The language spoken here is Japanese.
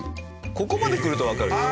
ここまでくるとわかるでしょ。